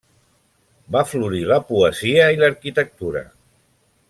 Va florir la poesia i l'arquitectura.